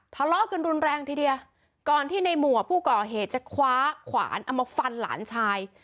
ทะเลาะกันรุนแรงทีเดียวก่อนที่ในหมัวผู้ก่อเหตุจะคว้าขวานเอามาฟันหลานชาย